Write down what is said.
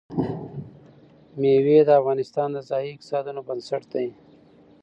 مېوې د افغانستان د ځایي اقتصادونو بنسټ دی.